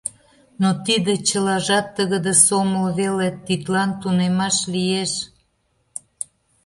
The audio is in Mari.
Но тиде чылажат тыгыде сомыл веле, тидлан тунемаш лиеш.